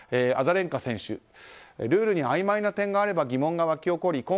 アザレンカ選手ルールにあいまいな点があれば疑問が湧き起こり